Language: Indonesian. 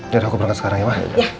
biar aku berangkat sekarang ya pak